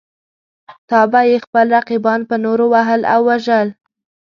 تل به یې خپل رقیبان په نورو وهل او وژل.